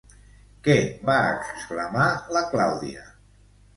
Què va exclamar la Clàudia?